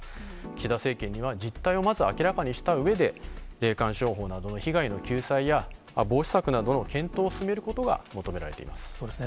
岸田政権には、実態をまず、明らかにしたうえで、霊感商法などの被害の救済や、防止策などの検討を進めることが求められています。